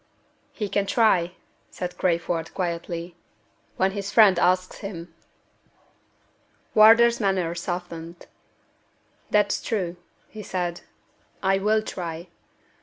"He can try," said Crayford, quietly "when his friend asks him." Wardour's manner softened. "That's true," he said. "I will try.